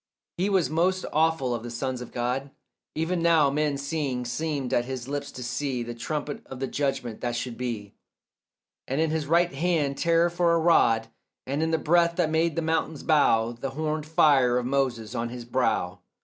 He was most awful of the sons of God. Even now men seeing seemed at his lips to see The trumpet of the judgment that should be, And in his right hand terror for a rod, And in the breath that made the mountains bow The horned fire of Moses on his brow.